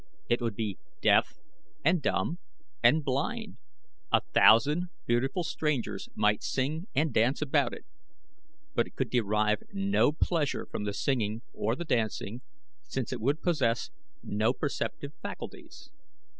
It would be deaf, and dumb, and blind. A thousand beautiful strangers might sing and dance about it, but it could derive no pleasure from the singing or the dancing since it would possess no perceptive faculties.